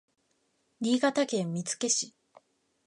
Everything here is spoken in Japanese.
新潟県見附市